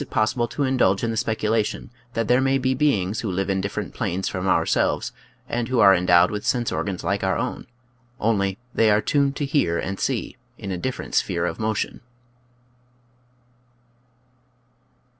85 possible to indulge in the speculation that there may be beings who live in different planes from ourselves and who are endowed with sense organs like our own, only they are tuned to hear and see in a different sphere of motion.